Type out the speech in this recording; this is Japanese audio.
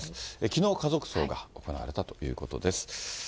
きのう、家族葬が行われたということです。